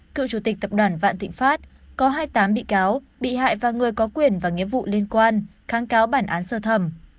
cựu chủ tịch tập đoàn vạn thịnh pháp có hai mươi tám bị cáo bị hại và người có quyền và nghĩa vụ liên quan kháng cáo bản án sơ thẩm